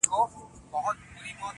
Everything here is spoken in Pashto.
حمزه بابا د خوشحال خان خټک